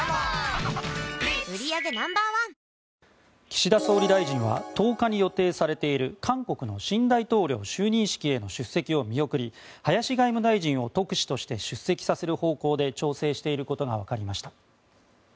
岸田総理大臣は１０日に予定されている韓国の新大統領の就任式への出席を見送り林外務大臣を特使として出席させる方向で調整していることが分かりました。